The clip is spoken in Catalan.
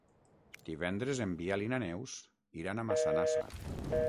Divendres en Biel i na Neus iran a Massanassa.